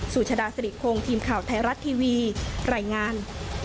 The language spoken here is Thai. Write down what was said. สุชฎาศรีโครงทีมข่าวไทยรัฐทีวีไหล่งาน